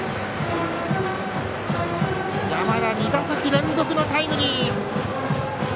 山田２打席連続のタイムリー。